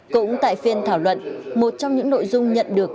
cũng tại phiên thảo luận một trong những nội dung nhận được